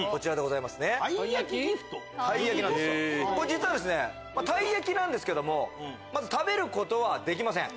実はですねたい焼きなんですけども食べることはできません。